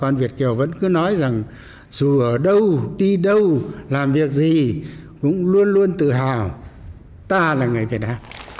nói rằng dù ở đâu đi đâu làm việc gì cũng luôn luôn tự hào ta là người việt nam